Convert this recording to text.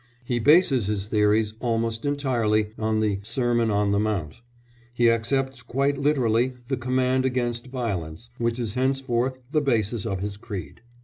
He bases his theories almost entirely on the "Sermon on the Mount"; he accepts quite literally the command against violence, which is henceforth the basis of his creed.